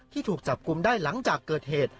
ถูกจับกลุ่มได้หลังจากเกิดเหตุ